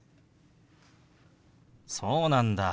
そうなんだ。